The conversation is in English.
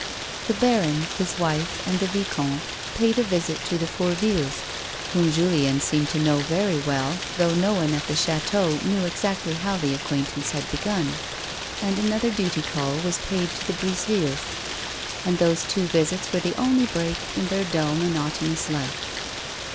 The baron, his wife, and the vicomte, paid a visit to the 122 A WOMAN'S LIFE. Fonrvilles (whom Jiilien seemed to know very well, though no one at the chateau knew exactly how the acquaintance^ had begun), and another duty call was paid to the Brisevilles, and those two visits were the only break in their dull, mono tonous life.